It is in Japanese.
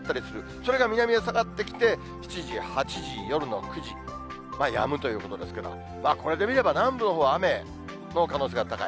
それが南へ下がってきて、７時、８時、夜の９時、やむということですけど、これで見れば、南部のほうは雨の可能性が高い。